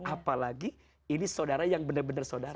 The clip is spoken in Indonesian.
apalagi ini saudara yang benar benar saudara